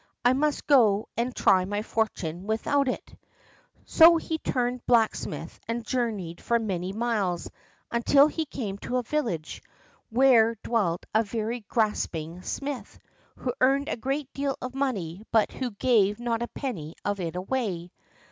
I must go and try my fortune without it." So he turned blacksmith and journeyed for many miles, until he came to a village, where dwelt a very grasping smith, who earned a great deal of money, but who gave not a penny of it away.